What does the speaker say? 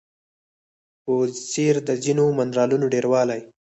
په څېر د ځینو منرالونو ډیروالی